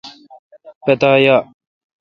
پتا یا۔